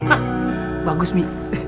ah bagus mi